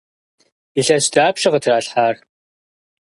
Илъэс дапщэ къытралъхьар?